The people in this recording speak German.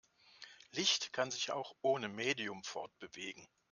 Licht kann sich auch ohne Medium fortbewegen.